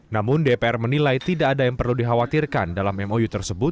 namun dpr menilai tidak ada yang perlu dikhawatirkan dalam mou tersebut